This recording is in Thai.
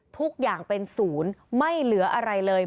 ทุกอย่างเป็นศูนย์ไม่เหลืออะไรเลย